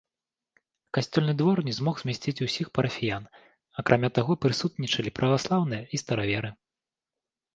Касцёльны двор не змог змясціць усіх парафіян, акрамя таго прысутнічалі праваслаўныя і стараверы.